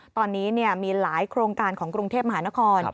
ตอนนี้มีหลายโครงการของกรุงเทพมหานคร